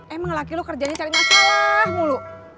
emang laki lu kerjanya cari masalah mulu